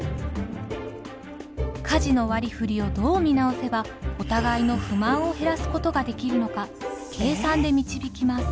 家事の割りふりをどう見直せばお互いの不満を減らすことができるのか計算で導きます。